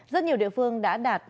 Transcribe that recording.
rất nhiều địa phương đã đạt